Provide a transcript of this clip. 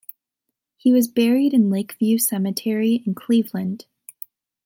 He was buried in Lake View Cemetery in Cleveland.